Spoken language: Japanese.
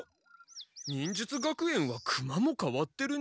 忍術学園はクマもかわってるね。